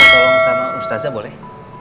tolong sama ustazah boleh